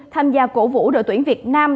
tham gia cổ vũ đội tuyển việt nam